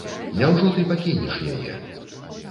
Няўжо ты пакінеш яе?